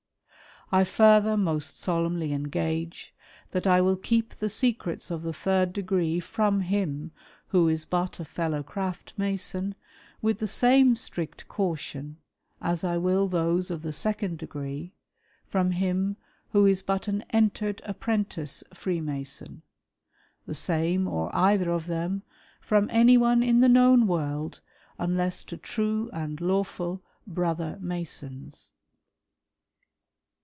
I further most solemnly engage, that I Avill keep the " secrets of the Third Degree froju him who is but a Fellow Craft " Mason, with the same strict caution as I will those of the Second " Degree from him who is but an Entered Apprentice Freemason : "the same or either of them, from anyone in the known world, " unless to true and lawful Brother Masons.